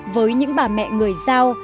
với những bà mẹ người giao